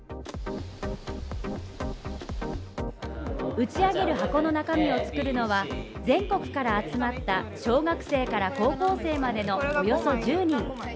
打ち上げる箱の中身を作るのは全国から集まった小学生から高校生までのおよそ１０人。